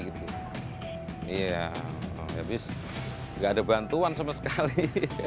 iya habis nggak ada bantuan sama sekali